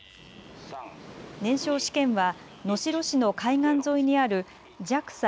燃焼試験は能代市の海岸沿いにあるＪＡＸＡ